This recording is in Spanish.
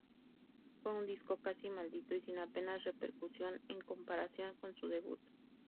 Fue un disco casi 'maldito' y sin apenas repercusión en comparación con su debut.